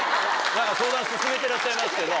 相談進めてらっしゃいますけど。